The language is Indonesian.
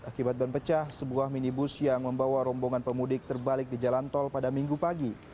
akibat ban pecah sebuah minibus yang membawa rombongan pemudik terbalik di jalan tol pada minggu pagi